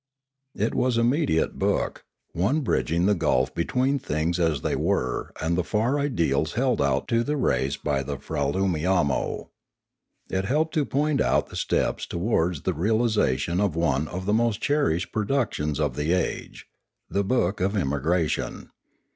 It was a mediate book, one bridging the gulf between things as they were and the far ideals held out to the race by the Fraloomiamo. It helped to point out the steps towards the realisation of one of the most cherished productions of the age, the Book of Emigra tion.